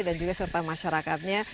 dan juga serta masyarakatnya